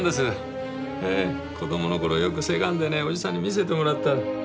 子どもの頃よくせがんでねおじさんに見せてもらった。